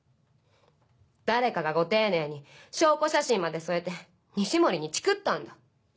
誰かがご丁寧に証拠写真まで添えて西森にチクったんだ。